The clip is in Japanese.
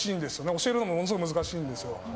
教えるのもものすごい難しいんですよ。